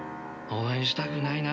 応援したくないな。